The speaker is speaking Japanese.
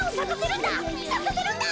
さかせるんだ